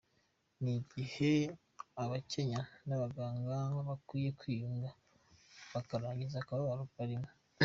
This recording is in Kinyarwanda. Ni igihe abakenya n'abaganga bakwiye kwiyunga bakarangiza akababaro barimwo.